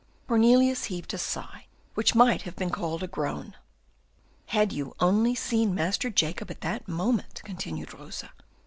Cornelius heaved a sigh, which might have been called a groan. "Had you only seen Master Jacob at that moment!" continued Rosa.